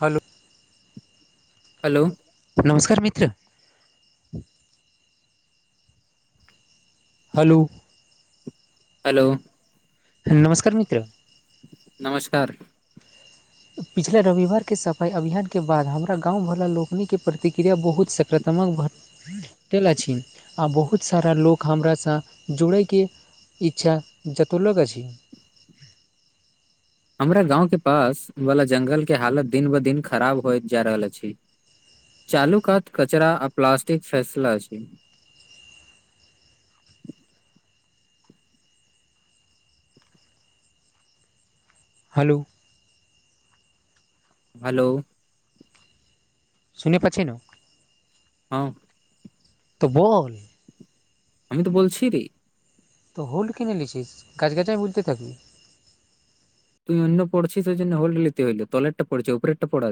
hello hello नमस्कार मित्र hello hello नमस्कार मित्र नमस्कार पिछला रविवार केँ सफाइ अभियान केँ बाद हमरा गाँव वला लोक निके प्रतिक्रिया बहुत सकार त्मक [inaudible] भेटेल अछि आ बहुत सारा लोक हम स जुड़ैके इच्छा जतोलक अछि हमरा गाँव केँ पास वाल जंगल केँ हालत दिन ब दिन खराब होइत जा रहल अछि चालुकात कचरा आ प्लासटिक फैसला अछी हेलो हेलो सुने प छै न हऽ तऽ बोल हमी तऽ बोल छी यै रे तऽ होल्ड केने [unintelligible] [unintelligible]